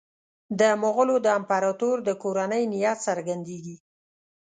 د مغولو د امپراطور د کورنۍ نیت څرګندېږي.